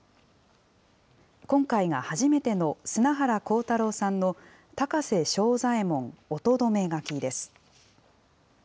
今回が初めての砂原浩太朗さんの高瀬庄左衛門御留書です。